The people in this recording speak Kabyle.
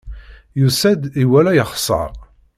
Yusa-d, iwala, yexṣer.